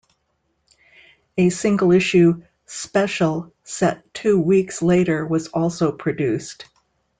A single issue 'Special' set 'Two weeks' later was also produced.